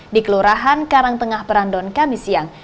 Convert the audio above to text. di kelurahan karangtengah perandon kamisiyang